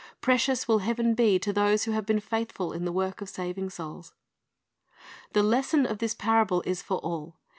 Precious will heaven be to those who have been faithful in the work of saving souls. The lesson of this parable is for all.